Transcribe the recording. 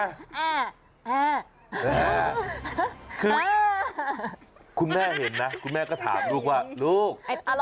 คือคุณแม่เห็นนะคุณแม่ก็ถามลูกว่าลูก